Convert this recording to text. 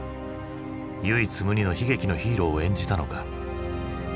唯一無二の悲劇のヒーローを演じたのか。